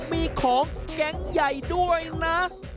มีของแก๊งใหญ่ด้วยนะ